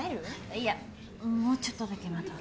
いやもうちょっとだけ待とう。